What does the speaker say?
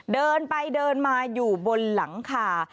เดินไปเดินมาอยู่บนหลังคา